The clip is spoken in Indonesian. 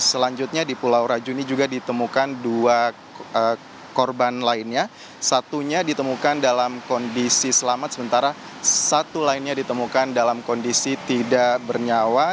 selanjutnya di pulau rajuni juga ditemukan dua korban lainnya satunya ditemukan dalam kondisi selamat sementara satu lainnya ditemukan dalam kondisi tidak bernyawa